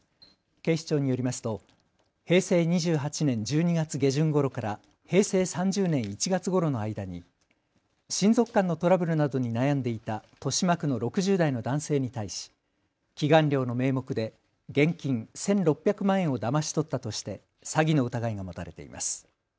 警視庁によりますと平成２８年１２月下旬ごろから平成３０年１月ごろの間に親族間のトラブルなどに悩んでいた豊島区の６０代の男性に対し祈願料の名目で現金１６００万円をだまし取ったとして詐欺の疑いが持たれています。